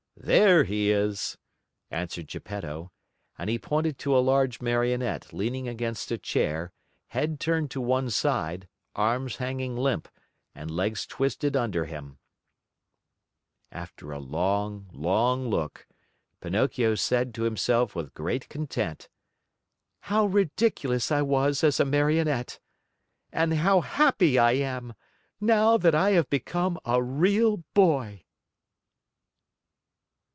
"There he is," answered Geppetto. And he pointed to a large Marionette leaning against a chair, head turned to one side, arms hanging limp, and legs twisted under him. After a long, long look, Pinocchio said to himself with great content: "How ridiculous I was as a Marionette! And how happy I am, now that I have become a real boy!"